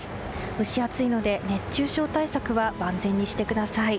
蒸し暑いので熱中症対策は万全にしてください。